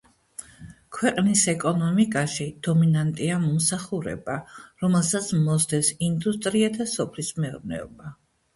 ქვეყნის ეკონომიკაში დომინანტია მომსახურება, რომელსაც მოსდევს ინდუსტრია და სოფლის მეურნეობა.